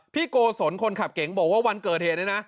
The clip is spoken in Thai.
โกศลคนขับเก๋งบอกว่าวันเกิดเหตุเนี่ยนะ